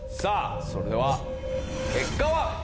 それでは結果は？